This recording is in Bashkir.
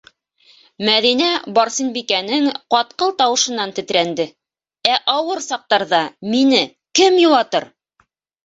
Мәҙинә Барсынбикәнең ҡатҡыл тауышынан тетрәнде: «Ә ауыр саҡтарҙа мине кем йыуатыр?».